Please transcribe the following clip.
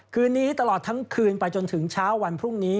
คืนนี้ตลอดทั้งคืนไปจนถึงเช้าวันพรุ่งนี้